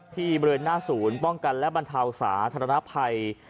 ที่เบือนหน้าศูนย์ป้องกันและบรรเทาศาสตร์ธรรมนาภัย